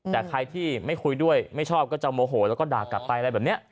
แต่ใครที่ไม่คุยด้วยไม่ชอบก็จะโมโหแล้วก็ด่ากลับไปอะไรแบบนี้